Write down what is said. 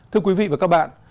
thưa quý vị và các bạn